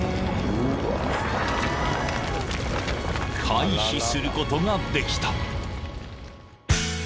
［回避することができた］